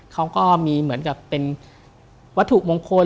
เขาก็มีเหมือนกับเป็นวัตถุมงคล